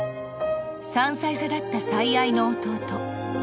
［３歳差だった最愛の弟］